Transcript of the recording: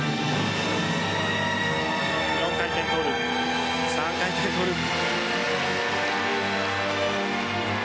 ４回転トゥループ３回転トゥループ。